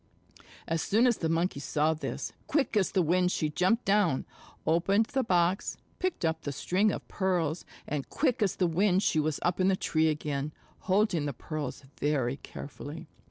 As soon as the Monkey saw this, quick as the wind she jumped down, opened the box, picked up the string of pearls, and quick as the wind she was up in the tree again, holding the pearls very carefully.